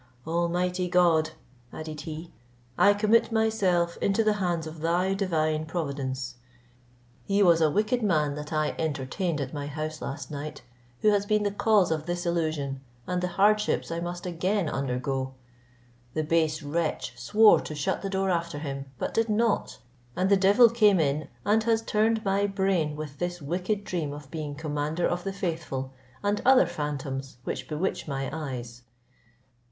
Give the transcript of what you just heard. Almighty God," added he, "I commit myself into the hands of thy divine providence. He was a wicked man that I entertained at my house last night, who has been the cause of this illusion, and the hardships I must again undergo. The base wretch swore to shut the door after him, but did not, and the devil came in and has turned my brain with this wicked dream of being commander of the faithful, and other phantoms which bewitch my eyes.